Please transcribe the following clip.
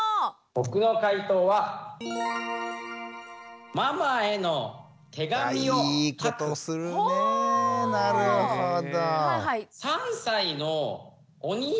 僕の解答はあいいことするねなるほど。